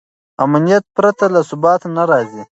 امنیت پرته ثبات نه راځي.